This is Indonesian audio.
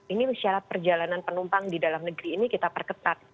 ini syarat perjalanan penumpang di dalam negeri ini kita perketat